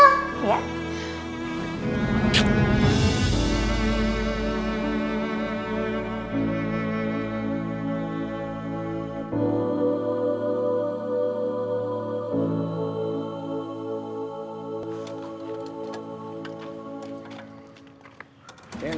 seneng nih diajak ke taman